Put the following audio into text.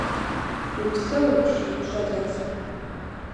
-Упсэу апщий, щӀэлэфӀ.